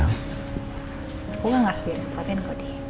aku nggak harus repot repotin kodi